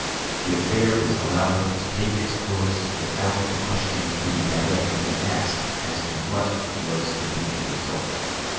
The affair was allowed to take its com'se without the question being directly asked as to what was to be the re sult.